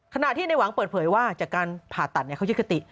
ขณะที่ในหวังเปิดเผยว่าจากการผ่าตัดเขายึดคติ